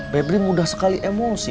pebri mudah sekali emosi